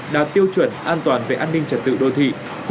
đạt tiêu chuẩn an toàn về an ninh trật tự đô thị